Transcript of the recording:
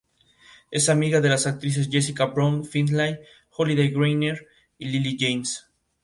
Es amiga de las actrices Jessica Brown-Findlay, Holliday Grainger y Lily James.